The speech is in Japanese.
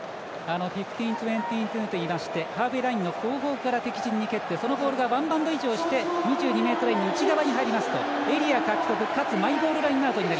５０：２２といいましてハーフウェーラインの後方から敵陣に蹴って、そのボールがワンバウンド以上して２２ｍラインの内側に入りますとエリア獲得かつマイボールラインアウト。